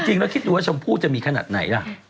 จริงแล้วคิดดูว่าชมพู่จะมีขนาดไหนล่ะ